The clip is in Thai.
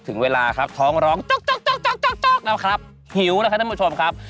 ถึงเวลาครับท้องร้องจ๊อกแล้วครับหิวแล้วครับท่านผู้ชมครับ